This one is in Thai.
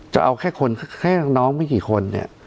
จะเอาแค่คนแค่น้องไม่กี่คนเนี่ย